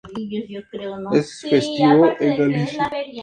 Es festivo en Galicia.